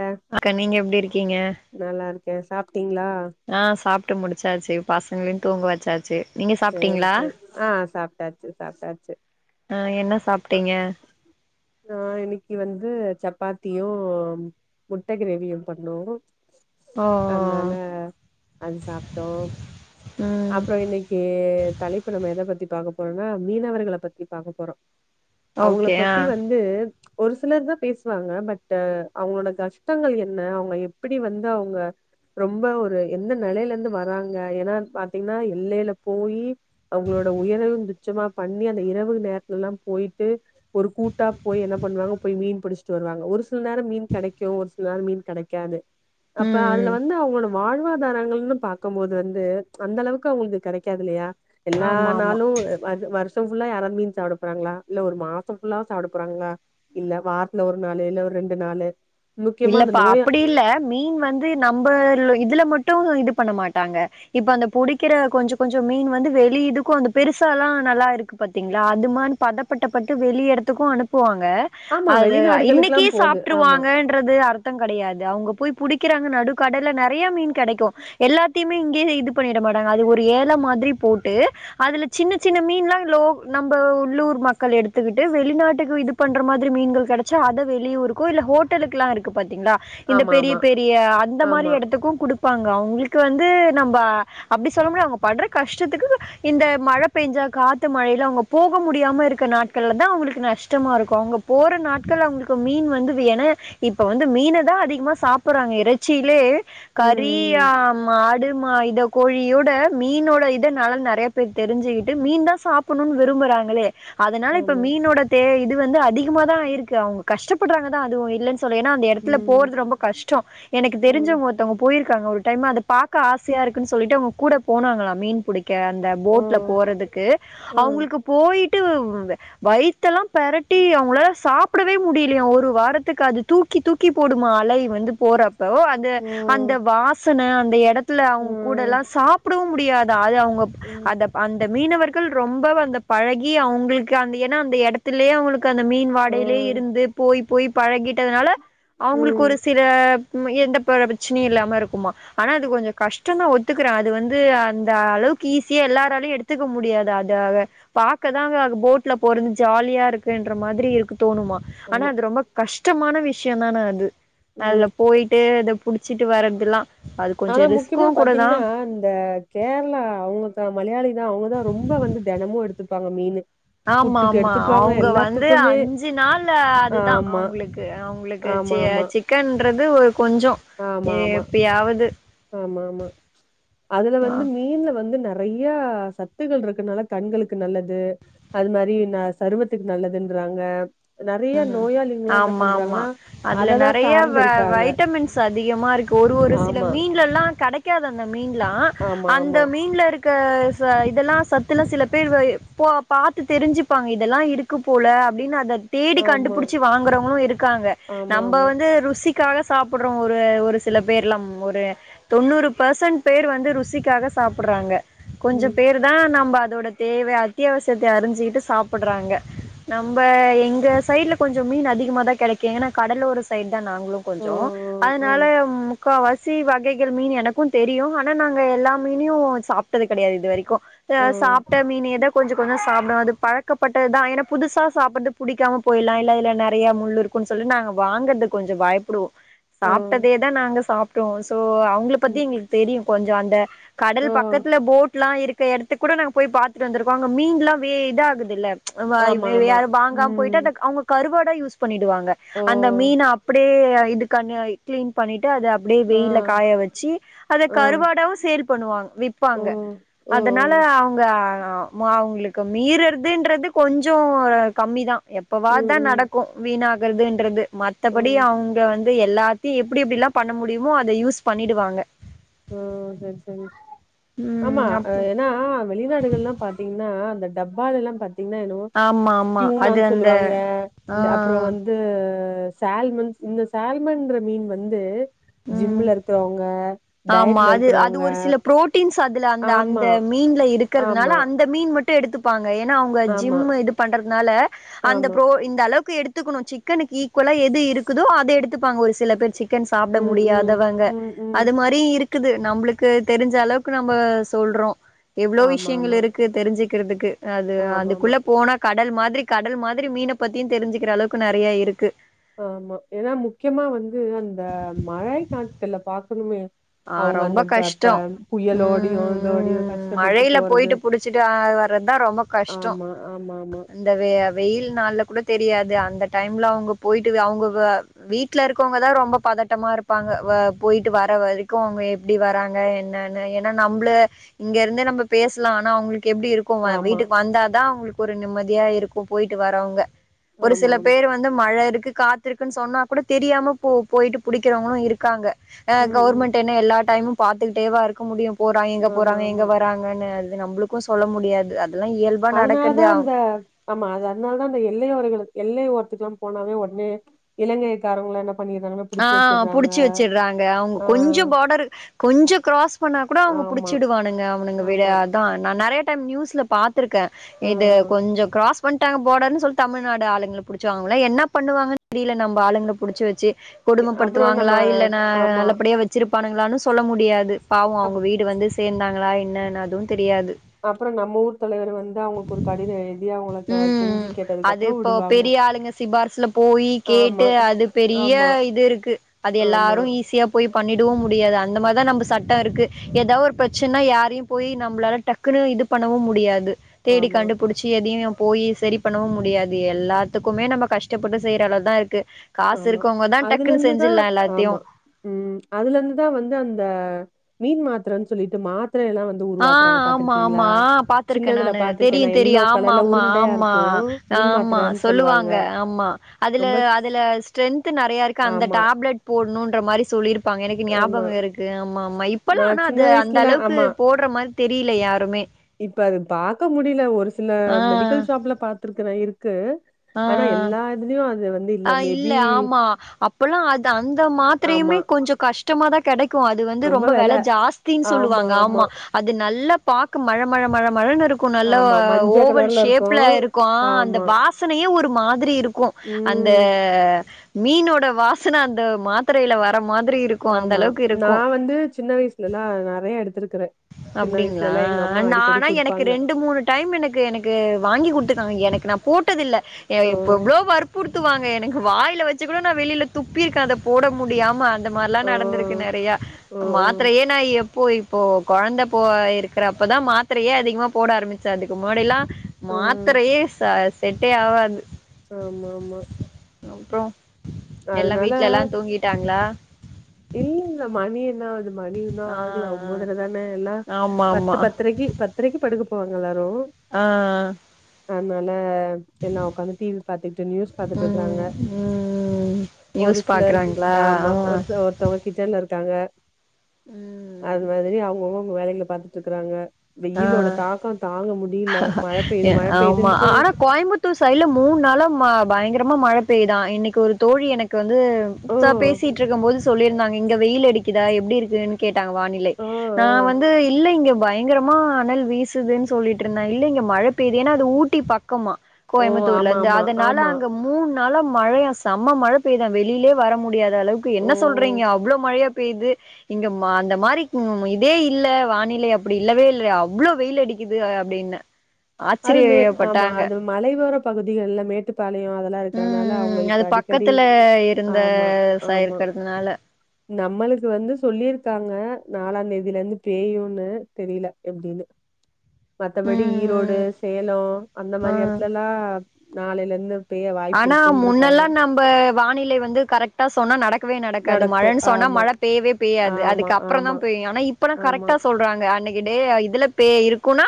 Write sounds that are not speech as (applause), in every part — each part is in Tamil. ஆ அக்கா நீங்க எப்டி இருக்கீங்க நல்லா இருக்கே சாப்ட்டீங்ளா ஆ சாப்ட்டு முடிச்சாச்சு பசங்களையு தூங்க வச்சாச்சு நீங்க சேரி சாப்ட்டீங்களா சேர் ஆ சாப்ட்டாச்சு சாப்ட்டாச்சு ஆ என்ன சாப்ட்டீங்க ஆ இன்னைக்கு வந்து சப்பாத்தியு முட்ட கிரேவியு பண்ணோ ஓ அதனால அது சாப்ட்டோ ம் அப்புற இன்னைக்கி தலைப்பு நம்ம எத பத்தி பாக்க போறோம்னா மீனவர்கள பத்தி பாக்க போறோ அவுங்கள ஓகே ஆ பத்தி வந்து ஒரு சிலர் தா பேசுவாங்க பட் அவங்களோட கஷ்டங்கள் என்ன அவங்க எப்டி வந்து அவுங்க ரொம்ப ஒரு எந்த நெலையில இருந்து வராங்க ஏன்னா பாத்தீங்கனா எல்லையில போயி அவங்களோட உயரல் துச்சமா பண்ணி அந்த இரவு நேரத்துல எல்லா போயிட்டு ஒரு கூட்டா போய் என்ன பண்ணுவாங்க போய் மீன் பிடிச்சிட்டு வருவாங்க ஒரு சில நேரம் மீன் கிடைக்கு ஒரு சில நேரம் மீன் கிடைக்காது அப்ப ம் அதுல ம் வந்து அவங்களோட வாழ்வாதாரங்கள்ன்னு பாக்கும்போது வந்து அந்த அளவுக்கு அவங்களுக்கு கிடைக்காது இல்லையா எல்லா ஆமா ஆமா நாளும் வந் வருஷம் ஃபுல்லா யாரது மீன் சாப்பிட போறாங்களா இல்ல ஒரு மாசம் ஃபுல்லா சாப்பிட போறாங்களா இல்ல வாரத்துல ஒரு நாளு இல்ல ஒரு ரெண்டு நாளு முக்கியமா அந்த இல்லப்பா நோயா அப்டி இல்ல மீன் வந்து நம்ம இதுல மட்டும் இது பண்ண மாட்டாங்க இப்ப அந்த பொறிக்குற கொஞ்ச கொஞ்ச மீன் வந்து வெளியிதுக்கு அந்த பெருசா எல்லா நல்லா இருக்கு பாத்தீங்களா அது மாதிரி பத பட்டப்பட்டு வெளிய இடத்துக்கு அனுப்புவாங்க ஆமா அது வெளிநாடுகளுக்குல்லா இன்னைக்கே போது ஆமா சாப்பிட்ருவாங்க ட்றது அர்த்தம் கெடயாது அவுங்க போய் புடிக்கிறாங்க நடுக்கடல நெறையா மீன் கெடைக்கு எல்லாத்தையுமே இங்கயே இது பண்ணிட மாட்டாங்க அது ஒரு ஏல மாதிரி போட்டு அதுல சின்ன சின்ன மீன்லா லோ நம்ப உள்ளூர் மக்கள் எடுத்துக்கிட்டு வெளிநாட்டுக்கு இது பண்ற மாதிரி மீன்கள் கெடச்சா அதை வெளியூர்க்கோ இல்ல ஹோட் டலுக்குலா இருக்கு பாத்தீங்ளா இந்த ஆமா பெரிய ஆமா பெரிய அந்த மாரி ஆமா எடத்துக்கு குடுத்து ப்பாங்க அவுங்களுக்கு வந்து நம்ப அப்டி சொல்ல முடியாது அவுங்க பட்ற கஷ்டத்துக்கு இந்த மழ பெய்ஞ்சா காத்து மழைல அவுங்க போக முடியாம இருக்க நாட்கள்ல தா அவுங்களுக்கு நஷ்டமாருக்கு அவுங்கப் போற நாட்கள் அவுங்களுக்கு மீன் வந்து வி என இப்ப வந்து மீன தா அதிகமா சாப்புடுறாங்க இறச்சிலே கறி ம் ஆ மாடு மா இதக் கோழியோட மீனோட இத நால்லா நெறைய பேர் தெரிஞ்சுக்கிட்டு மீன் தா சாப்புடணும்னு விரும்புறாங்களே அதனால இப்ப ஆமா மீனோட தே இது வந்து அதிகமாதா ஆயிருக்கு அவங்க கஷ்டப்பட்றாங்கதா அதுவுயே சொல்லு ஏன்னா அந்த எடத்துல ம் போறது ரொம்ப கஷ்டோ எனக்கு ம் தெரிஞ்சவங்க ஒருத் ஒருத்தவங்க போயிருக்காங்க ஒரு டைம் அத பாக்க ஆசையா இருக்குன்னு சொல்லிட்டு அவங்க கூட போனாங்களா மீன் புடிக் க்க அந்த ஓ போட்ல போறதுக்கு ஓ அவங்களுக்கு போயிட்டு வயித் வயித்தெல்லா பெரட்டி அவங்கள சாப்பிடவே முடியலைய ஒரு வாரத் த்துக்கு அது தூக்கி தூக்கி போடுமா அலை வந்து போற ப்போ அந்த ஓ அந்த வாசன அந்த இடத்துல அவுங் கூடல்லா சாப்புடவு முடியாதா அது அவுங்கப் ஓ ஓ அத அந்த மீனவர்கள் ரொம்ப வந்த பழகி அவுங்ளுக்கு அந்த ஏன்னா அந்த எடத்துலே அவுங்களுக் கு அந்த மீன் ஓ வாடையிலே இருந்து போய் போய் பழகிட்டதுனால அவுங்களுக்கு ம் ஒரு சில எந்தப்பர பிரச்சனயு இல்லாம இருக்குமா ஆனா அது கொஞ்சோ கஷ்டனு ஒத்துக்குறே அது வந்து அந்த அளவுக் கு ஈஸியா எல்லாராலயு எடுத்துக்க முடியாது அத் அந்த அத பாக்கதாங்க அங்க போட்ல போறது ஜாலியா இருக்குன்ற மாதிரி இருக்கு தோணுமா ஆனா ஆமா அது ரொம்ப கஷ்டமான விஷ்யம் தான அது ம் அதுல போய்ட்டு அதப் புடிச்சிட்டு வர்றதுல்லா அது கொஞ்சோ ஆனா ரிஸ்க்கு முக்கியமா கூட தா பாத்தீங்ன்னா இந்த கேர்ளா அவுங்க தா மலையாளி தா அவ்ங்கதா ரொம்ப வந்து தெனமும் எடுத்துப்பாங்க மீனு ஆமா புட்டுக்கு ஆமா எடுத்துப்பாங்க அவுங்க வந்து எல்லாத்துக்குமே அஞ்சு நாள் ஆ அதுதா ஆமா அவ்ங்ளுக்கு அவ்ங்ளுக் ஆமா ஆமா சிக்கன்றது ஒரு கொஞ்சோ ஆமா ஆமா எப்பயாவது ஆமா ஆமா அதுல ஆ வந்து மீன்ல வந்து நெ றையா சத்துகள் இருக்குனால கண்களுக்கு நல்லது அது மாரி ந சருமத்துக்கு நல்லதுன்றாங்க நெறையா நோயாளிங்லா என்ன ஆமா ஆமா பண்றாங்கனா அததா சார்ந்து இருக்காங்க சு அதிகமாருக்கு ஒரு ஒரு சில ஆமா மீன்லல்லாம் கெடைக்காது அந்த மீன்லா ஆமா அந்த ஆமா மீன்ல ருக் க ச இதெல்லாம் சத்துல்லா சில பேர் போ பாத்து தெரிஞ்சுப்பாங்க இதெல்லா இருக்கு போல அப்டின்னு அத தேடி ஆமா கண்டுபுடிச்சி வாங்குறவங்களும் இருக்காங்க ஆமா நம்ப ஆமா வந்து ருசி க்காக சாப்புட்றோ ஒரு ஒரு சில பேர்லாம் ஒரு தொண்ணூறு பர்சன்ட் பேர் வந்து ருசிக்காக சாப்புட்றாங்க கொஞ்சம் ம் பேர் தா நம்ப அதோட தேவ அத்தியாவசியத்த அறிஞ்சிக்கிட்டு சாப்புட்றாங்க நம்ப எங் க சைட்ல கொஞ்சோ மீன் அதிகமாதா கெடைக்கு ஏனா கடலோர ஸ் சைட் தா நாங்ளு ஆ கொஞ்சோ ஆ அதனால ஆ முக்காவாசி வகைகள் மீன் எனக்கு தெரியு ஆனா நாங்க எல்லா மீனையூ சாப்ட்டது கெடையாது இது வரைக்கு அ சாப்ட்ட மீனயே தா கொஞ்சம் கொஞ்சம் சாப்டுவே அது பழக்கப்பட்டது தா ஏனா புதுசா சாப்புட்து புடிக்காம போயிடலா இல்ல இதுல நெறயா முள் இருக்குன்னு சொல்லி நாங்க வாங்குறது கொஞ்ச பயப்புடுவோ ஆ ஆ சாப்ட்டதே தா நாங்க சாப்டுவோ சோ அவு உங்கள ம் பத்தி எங்களுக்கு தெரியு கொஞ்சோ அந்த கடல் ஓ பக்கத்து ல போட் லா இருக் இடத்து கூட நாங்க போய் பாத்துட்டு வந்திருக்கோ அங்க மீன்லா வே இது ஆகுதுல வ ஆமா வே வே ஆமா அத வாங்காம் ம் அவுங்க கருவாடா யூஸ் பண்ணிடுவாங்க ஓ அந்த மீன அப்டியே இது கண்யோய் கிளீன் பண்ணிட்டு அத அப்டியே ஆ வெயில காய வச்சு அத ஆ கருவாடாவு சேர் பண்ணுவாங்க ஓ விப்பாங்க ஓ ஓ அதனால அவுங்க ம அவுங்களுக்கு மீறறுதுன்றது கொஞ்சோ கம்மி தா எப்பவா ம் தா ம் நடக்கு வீணாகிறதுன்றது ஓ மத்தபடி அவுங்க வந்து எல்லாத்தையு எப்டி எப்டிலா பண்ண முடியுமோ அத யூஸ் பண்ணிடுவாங்க ம் சேரி சேரி ஆமா ம் அப் ஏனா வெளிநாடுகள் எல்லா பாத்தீங்கன்னா அந்த டப்பா எல்லா பத் தீங்னா என்னவோ ஆமா ஆமா அது ட்யூனானு அந்த சொல்லுவாங்க ஆ இல்ல அப்பற வந் து சால்மன் இந்த சால்மன்ற மீன் வந்து ம் ஜிம்ல இருக்கறவங்க ஆமா அது அது ஒரு சில புரோட்டீன்ஸ் அதுல அந்த ஆமா அந்த மீன்ல இருக்கிறதுனால ஆமா அந்த மீன் மட் ட்டு எடுத்துப்பாங்க ஏனா அவுங்க ஜிம் ஆமா இது பண்றதுனால அந்த ஆமா ப்ரோ இந்த அளவுக்கு எடுத் துக்கணு சிக்கனுக்கு ஈக்குவலா எது இருக்குதோ அத எடுத்துப்பாங்க ஒரு சில பேர் சிக்கன் சாப்ட ம் முடியா ம் தவங்க ம் ம் அது மாரி இருக்குது நம்ளுக்கு தெரிஞ்ச அளவுக்கு நம்ம சொல்றோ எவ்ளோ ஆமா விஷியங்கள் ஆமா இருக்கு தெரிஞ்சிக்றதுக்கு அது ஆமா ஆமா அதுக்குள்ள போனா கடல் மாதிரி கடல் மாதிரி மீனப் பத்தியு தெரிஞ்சிக்கிற அளவுக்கு நெறய இருக்கு ஆமா ஏனா முக்கியமா வந்து அந்த மழை கால்த்துல பாக்கணுமே ஆ அவுங்க ரொம்ப அந்த ப கஷ்டோ ப புயலோடயு இதோடயு கஷ்டப்பட்டு ல போறது போய்ட்டு புடிச்சிட்டு ஆ வர்றது தா ரொம்ப கஷ்டோ ஆமா ஆமா ஆமா இந்த வெ வெயில் நாள்ல கூட தெரியாது அந்த டைம்ல அவுங்க போயிட்டு அவுங்க வ வீட்ல இருக்கவங்கதா ரொம்ப பதட்டமா இருப்பாங்க வ போயிட்டு வர வ கு அவுங்க எப்டி வராங்க என்னன்னு ஏனா நம்மள இங்க இருந்து நம்ம பேசலா ஆனா அவுங்களுக்கு எப்டி இரு கு ஆமா வீட்டுக்கு வந்தாதா அவுங்களுக்கு ஒரு நிம்மதியா இருக்கு போயிட்டு வரவங்க ஒரு ஆமா ஆமா சில பேர் வந்து ந்து மழை இருக்கு காத்து இருக்குன்னு சொன்னா கூட தெரியாம போ போயிட்டு பிடிக்கறவங்களு இருக்காங்க அ ம் ம் கவர்மெண்ட் என்ன எல்லா டைமு பாத்துகிட்டேவா இருக்க முடியு போறாங்க எங்க ஆமா போறாங்க எங்க ஆமா வறாங் கனு அது நம்மளுக்கு சொல்ல முடியாது அதுலா இயல் அதனாலதா அந்த ஆமா அ அதனாலதா அந்த எல்லை ஓரங்களுக்கு எல்லை ஒருத்துக்குலா போனாவே ஒட்னே இலங்கைக்காரவுங்களா என்ன பண்ணிராங்கனா ஆ புடிச்சு வச்சடுறாங்க அவுங்க கொஞ்சம் பார்டரு கொஞ்சோ கிராஸ் பண்ணா கூட அவுங்க ஆமா புடிச்சிடுவானுங்க அவுனுங்க விட ஆமா அதா நா நெறைய டைம் நியூஸ்ல பாத்திருக்கே ஆ இது கொஞ்சோ கிராஸ் பண்ணட்டாங்க பார்டர்ன்னு சொல்லி தமிழ்நாடு ஆளுங்கள புடிச்சி அவுங்கள என்ன பண்ணுவாங்கு தெரியல நம்ம ஆளுங்கள புடிச்சி வச்சு அப்புறோ நம்ம கொடுமபடுத்துவாங்களா இல்ல ந ஆமா நல்லபடியா வெச் சிருப்பானுங்களானனு சொல்ல முடியாது பாவு அப் அவுங்க வீடு வந்து சேந்தாங்களா என்னனு அதுவு தெரியாது அப்றோ நம்ப ஊர் தலைவர் வந்து அவுங்களுக்கு ஒரு கடிதோ எழுதி அவுங்கக்க கெஞ்சி கேட்டதுக்கு அப்றோ விடுவாங்க சிபார்சில போய் ஆமா கேட்டு அது பெரிய ஆமா இது இருக்கு அது ஆமா எல்லாரு ஈ ஸியாக போய் பண்ணிடாவு முடியாது அந்த மாதிரி தா நம்ம சட்டோ இருக்கு ஏதாவ ஒரு ப்ரச்சனைன்னா யாரையு போய் நம்பளால டக்குன்னு இது பண்ணவு முடியாது தேடி ஆமா கண்டுபுடிச் சி எதையு என் போய் சரி பண்ணவு முடியாது எல்லாத்துக்குமே நம்ம கஷ்டப்பட்டு செய்யற அளவுதா இருக்கு காசு ஆமா இருக்கவங்க தா அதுல டக்குன்னு இருந்துதா செஞ்சிட்லா எல்லாத்தையு ஆமா ம் அதுல இருந்துதா வந்து அந்த மீன் மாத்திரைன்னு சொல்லிட்டு மாத்திர எல்லா வந்து ஆ உருவாக்குறாங்க ஆமா பாத்திருக்கீங்களா ஆமா பாத்துருக்கே சின்னதுல நானு பாத்திருக்கே தெரியு நா தெரியு எல்லோ ஆமா கலர்ல ஆமா உருண்டையா ஆமா இருக்கு மீன் ஆமா மாத்திரன்னு சொல்லுவாங்க ஆமா அதுல ரொம்ப ஸ் அதுல ஸ்ட்ரென்த்து நெறையாருக்கு அந்த ஆமா டப்லட் போட்ணுன்ற மாரி சொல்லிருக் ப்பாங்க எனக்கு ஆமா ஞாபகோ இருக்கு ஆமா ஆமா நா இப்பல்லாம் ஆனா சின்ன அது அந்த வயசுலலா அளவுக்கு ஆமா போடுற மாரி தெரியில யாருமே இப்ப அது பாக்க முடில ஒரு சில ஆ மெடிக்கல் ஷாப்ல பாத்துருக்குற இருக்கு அ ஆனா எல்லா இதுலயு அது வந்து அ மேபி இல்ல ஆமா அப்பல்லா அது அந்த ஆமா மாத்திரையுமே கொஞ்சோ கஷ்டமாதா கெடைக்கு அது வந்து ரொம்ப வெல ஜாஸ்தின்னு சொல்லுவாங்க ஆமா அது நல்லா பாக்கு மல மல மல மலன்னு இருக் க்கு நல்ல ஆமா மஞ்ச ஓவல் கலர்ல இருக்கு ஷேப்ல இருக்கு அந்த ஆமா வாச னையே ஒரு மாதிரி இருக்கு அந்த ம் மீனோட வாசன அந்த மாத்தரயில வர மாதிரி இருக் ஆமா நா வந்து சின்ன வயசுலல்லா நறைய எடுத்திருக்குறே சின்ன வயசுல அப்டிங்களா? எல்லா எங்க அம்மா நான் அடிக்கடி ஆனா எனக்கு குடுப்பாங்க டைம் எனக்கு எனக்கு வாங்கி குடுத்துக்காங்க எனக்கு நா போட்டதில்ல எ ஆ இப்ப இவ்ளோ வற்புறுத்துவங்க எனக் வாய்ல வச்சு கூட நா வெளியில துப்பிருக்கே அத போட முடியாம அ ந்த மாறிலா ஆ நடந்திருக்கு நெறைய ஆ ஆ மாத்தரயே நா எப்போ இப்போ கொழந்த போ இருக்கிறப்பதா மாத்தரயே அதிகமா போட ஆரம்பிச்ச அதுக்கு முன்னாடில மாத்தரயே ச செட்டே ஆவாது ஆமா ஆமா அப்றோ எல்லா அதனால வீட்ல எல்லா தூங்கிட்டாங்ளா இல்ல இல்ல மணி என்னாவுது மணி இன்னோ ஆ, ஆகுல ஆ. ஒன்பதர தானே எல்லா ஆமாமா. பத்து பத்தரக்கி பத் தரக்கி படுக்க போவாங்க எல்லாரு அ ஆ அதனால எல்லா உக்காந்து டி வி பாத்துக்கிட்டு நியூஸ் பாத்துட்டு இருக்குறாங்க ம் ம் ஒரு நியூஸ் சிலர் பாக்குறாங்களா ஆமா ஆ ஒரு சில ஒருத்தங்க கிச்சன்ல இருக்காங்க ம் அது மாதிரி அவுங்க அவுங்க அவுங்க வேலைகள பாத்துட்டு இருக்கறாங்க ஆ வெய்யிலோட தாக்க தாங்க முடியில மழ பெயுது மழ ஆமா பெய்யுதுன்னட்டு ஆனா (unintelligible) சைட்ல மூண் நாள பயங்கரமா மழ பெய்யுதா இன்னைக்கு ஒரு தோழி எனக் க்கு வந்து ஓ சோ பேசிட்டு இருக்கு போது சொல்லியிருந்தாங்க இங்க வெய்யில் அடிக்குதா எப்டி இருக்குன்னு கேட்டாங்க வானிலை ஓ ஓ நா வந்து இல்ல இங்க பயங்கரமா அனல் வீசுதுன் சொல்லிட்டுருந்தே இல்ல இங்க மழ பெய்து ஏன்னா அது ஊட்டி பக்கமா ஓ ஆமா கோயம்புத்தூர்லந்து ஆமா அதனால ஆமா அங்க மூண் நாளா மழையா செம்ம மழ பெய்தா வெளிலே வர முடியா அந்தளவுக்கு ஓ என்ன சொல்றீங்க அவ்ளோ மழையா பெய்து இங்க ம அந்த மாரி ம் இதே இல்ல வானிலை அ ப்படி இல்லவே இல்லையா அவ்ளோ வெயில் அடிக்குது அ அப்டின அது மே ஆமா ஆச்சரியப்பட்டாங்க அது மலைவோர பகுதிகள்ல மேட்டுப்பாளையோ அத ல்லா இருக்கறனால ம் அவுங்களுக்கு அது அடிக்கடி பக்கத்துல இருந்த ஆமா சா ஆமா இருக்கிறதுனால நம்மளுக்கு வந்து சொல்லியிருக்காங்க நாலாந்தேதிலந்து பேயுன்னு தெரியல எப்டீனு (inaudible) மத்தபடி ஈரோடு ம் சேலோ அந்த ஆ மாரி எடத்துலல்லா நாளைலெந்து பெய்ய வாய்ப்பிருக்குன்ட்ருக்காங்க இப்ப வானிலை வந்து கரெக்ட்டா சொன்னா நடக் கவே நடக்காது நடக்கு மழனு சொன்னா ஆமா மழ பெய்யவே பெய்யாது ஆமா அதுக்கு அப்பறந்தா ஆமா பெய்யு ஆனா இப்பல்லா ஆமா கரெக்டா சொல்றாங்க அன்னை க்கு டே இதுல பே இருக்குனா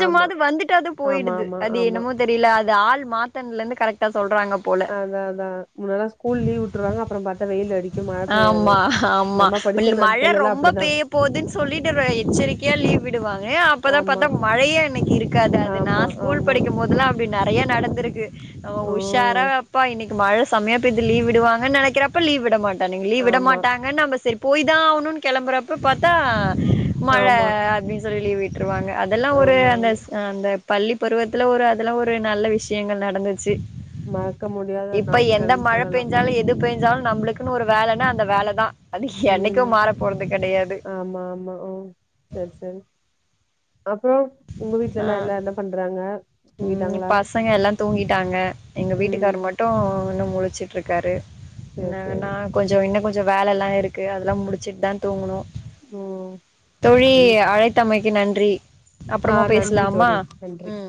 ஆமா வந்துட் அது ஆமா போயிடுது ஆமா அது ஆமா என்னமோ தெரில அது ஆள் மாத்தன்லெந்து கரெக் டா சொல்றாங்க போ அதா அதா முன்னால்ல ஸ்கூல் லீவ் விட்ருவாங்க அப்பறம் பாத்த வெயில் அடிக்கு மழ பெய்யாது ஆமா ஆமா நம்ம படிச்ச இப் மழ நாட்கள்லல்லா ரொம்ப அப்டிதா பெய்ய போதுன்னு சொல்லிட்டு ஒரு எச்சரிக் கியா லீவ் விடுவாங்க அப்பதா ஆமா பாத்தா மழையே அன்னைக்கு இருக்காது அது நா ஆமா ஸ்கூல் ஆமா படிக்கும் போதுல்லா இப்டி நெறைய நடந்திருக்கு அ உஷார ம் அப்பா இன்னைக் மழ செம்மய பெய்து லீவ் விடுவாங்கன்னு நெனைக்கிறப்ப லீவ் விடமாட்டாங்க லீவ் விட ஆமா மாட்டாங்கன் நம்ம செரி போய் தா ஆவணுன் கெளம்புறப்ப பாத்தா மழ ஆமா அப்டி சொல்லி லீவ் விட்ருவாங்க அதெல்லா ஒரு ஆமா அந்த ஆமா ச அந்த பள்ளி பருவத்துல ஒரு அதெல்லா ஒரு நல்ல விஷ்யங்கள் நடந்துச்சு மறக்க முடியாத இப்ப எந்த நாட்கள்னு மழ சொல்லலா பேஞ்சாலு எது பேஞ்சாலு நம்ப்ளுக் குனு ஒரு வேலன்னா அந்த வேலதா அது என்னைக்கு ம் மாற போறது கெடையாது ஆமா ஆமா உ செர் செரி அப்புறோ உங்க வீட்லெல்லா ஆஹ் எல்லா என்ன பண்றாங்க உம் தூங்கிட்டாங்களா பசங்க எல்லாம் தூங்கிட்டாங்க எங்க ம் வீட்டுக்காரு மட்டு இன்னு முழிச்சிட்ருக்காரு சேரி ந சேரி நா கொஞ்சோ இன்னு கொஞ்சோ வேலெல்லா இருக்கு அதெலா முடிச்சுட்தா தூங்கணு ம் தோழி என் அழைத்தமைக்கி நன்றி ஆ அப்புறமா நன்றி பேசலாமா தோழி நன்றி ம்